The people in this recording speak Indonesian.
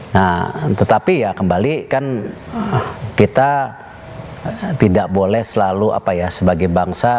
nah tetapi ya kembali kan kita tidak boleh selalu apa ya sebagai bangsa